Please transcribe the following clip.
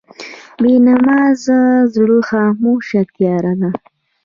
بېنمازه زړه خاموشه تیاره ده.